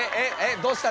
どうした？